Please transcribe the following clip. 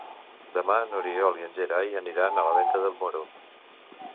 Demà n'Oriol i en Gerai aniran a Venta del Moro.